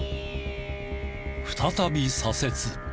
再び左折。